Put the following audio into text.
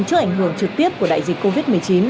trước ảnh hưởng trực tiếp của đại dịch covid một mươi chín